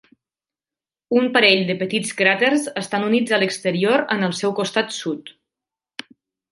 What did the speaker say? Un parell de petits cràters estan units a l'exterior en el seu costat sud.